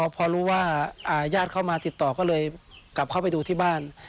พอรู้ว่าญาติเข้ามาติดต่อก็เลยกลับเข้าไปดูที่บ้าน